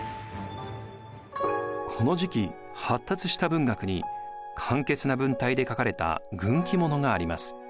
この時期発達した文学に簡潔な文体で書かれた軍記物があります。